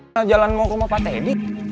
jalan jalan mau ke rumah pak teddy